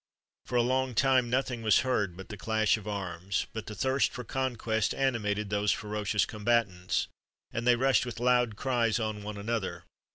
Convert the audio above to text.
For a long time nothing was heard but the clash of arms; but the thirst for conquest animated those ferocious combatants, and they rushed with loud cries on one another.